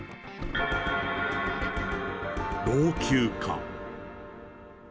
老朽化。